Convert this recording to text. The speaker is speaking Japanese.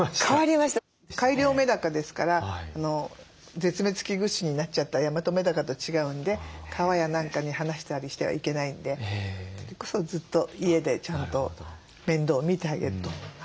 改良メダカですから絶滅危惧種になっちゃったヤマトメダカと違うんで川や何かに放したりしてはいけないんでそれこそずっと家でちゃんと面倒を見てあげると。